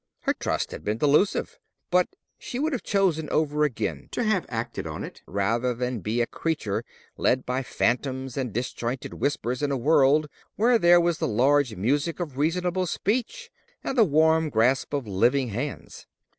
Her trust had been delusive, but she would have chosen over again to have acted on it rather than be a creature led by phantoms and disjointed whispers in a world where there was the large music of reasonable speech, and the warm grasp of living hands.